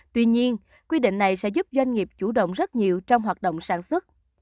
tuy nhiên quy định này sẽ giúp doanh nghiệp chủ động rất nhiều trong hoạt động sản xuất